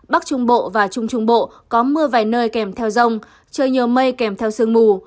bắc trung bộ và trung trung bộ có mưa vài nơi kèm theo rông trời nhiều mây kèm theo sương mù